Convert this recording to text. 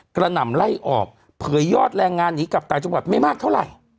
หนำไล่ออกเผยยอดแรงงานหนีกลับต่างจังหวัดไม่มากเท่าไหร่